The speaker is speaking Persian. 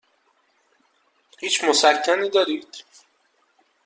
هیچ مسکنی دارید؟